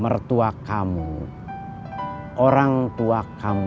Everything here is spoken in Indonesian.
mertua atau kalian arbitrary lets make all up